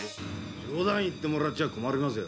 冗談言ってもらっちゃ困りますよ。